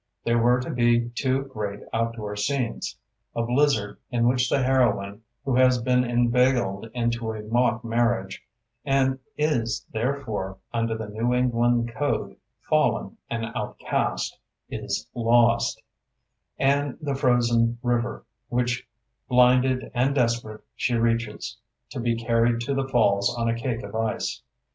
There were to be two great outdoor scenes: a blizzard, in which the heroine, who has been inveigled into a mock marriage—and is, therefore, under the New England code, fallen and outcast—is lost; and the frozen river, which, blinded and desperate, she reaches, to be carried to the falls on a cake of ice.